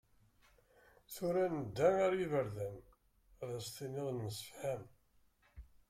Tura, nedda ar yiberdan, Ad as-tiniḍ nemsefham.